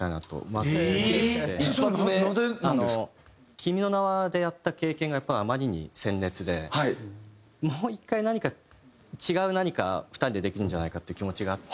『君の名は。』でやった経験がやっぱりあまりに鮮烈でもう１回何か違う何かを２人でできるんじゃないかっていう気持ちがあって。